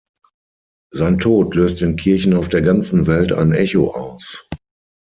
Sein Tod löste in Kirchen auf der ganzen Welt ein Echo aus.